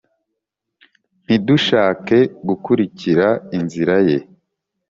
ntidushake gukurikira inzira ye,